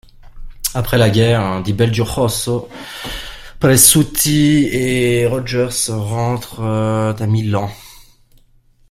Après la guerre, Di Belgiojoso, Peressuti et Rogers rentrent à Milan.